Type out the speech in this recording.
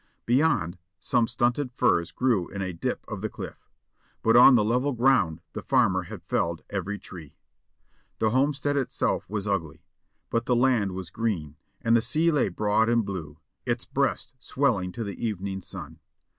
Beyond, some stunted firs grew in a dip of the cliff, but on the level ground the farmer had felled every tree. The homestead itself was ugly; but the land was green, and the sea lay broad and blue, its breast swelling to the evening sun.